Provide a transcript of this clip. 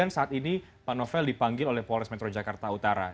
saat ini pak novel dipanggil oleh polres metro jakarta utara